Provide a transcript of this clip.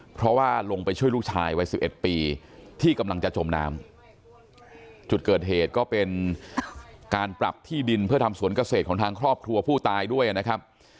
เพราะว่าลงไปช่วยลูกชายวัย๑๑ปีที่กำลังจะจมน้ำจุดเกิดเหตุก็เป็นการปรับที่ดินเพื่อทำสวนเกษตรของทางครอบครัวผู้ตายด้วยนะครับ